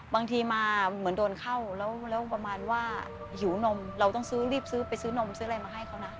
บางทีมาเหมือนโดนเข้าแล้วประมาณว่าหิวนมเราต้องซื้อรีบซื้อไปซื้อนมซื้ออะไรมาให้เขานะ